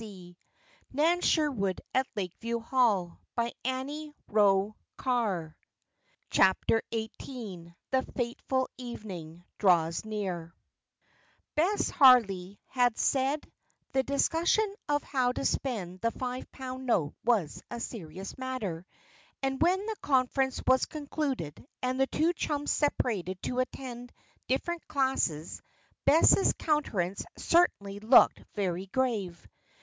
"But where what?" demanded Bess. So Nan told her. CHAPTER XVIII THE FATEFUL EVENING DRAWS NEAR Bess Harley had said the discussion of how to spend the five pound note was a serious matter; and when the conference was concluded and the two chums separated to attend different classes, Bess' countenance certainly looked very grave.